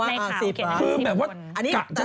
ตอนน้องเสื้อฟ้านั้นมี๑๐คน